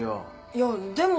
いやでも。